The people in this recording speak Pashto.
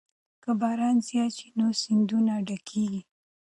که باران زیات شي نو سیندونه ډکېږي.